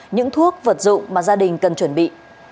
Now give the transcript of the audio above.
những thuốc vật dụng mà gia đình cần chuẩn bị